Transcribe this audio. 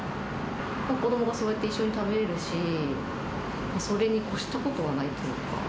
子どもがそうやって一緒に食べられるし、それにこしたことはないというか。